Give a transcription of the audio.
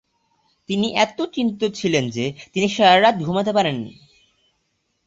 তিনি এতো চিন্তিত ছিলেন যে তিনি সারারাত ঘুমাতে পারেননি।